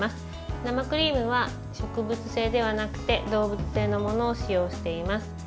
生クリームは植物性ではなくて動物性のものを使用しています。